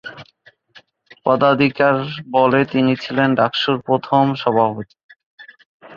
পদাধিকার বলে তিনি ছিলেন ডাকসুর প্রথম সভাপতি।